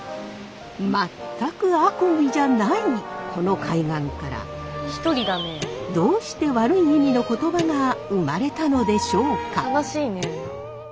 全くあこぎじゃないこの海岸からどうして悪い意味の言葉が生まれたのでしょうか。